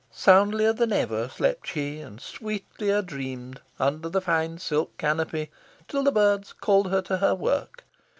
Soundlier than ever slept she, and sweetlier dreamed, under the fine silk canopy, till the birds called her to her work.